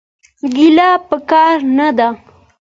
ګيله پکار نه ده.